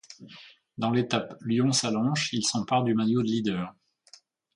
Dans l'étape Lyon-Sallanches, il s'empare du maillot de leader.